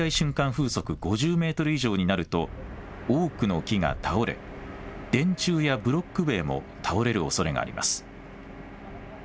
風速５０メートル以上になると多くの木が倒れ電柱やブロック塀も倒れるおそれがあります。